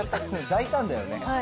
大胆だよね。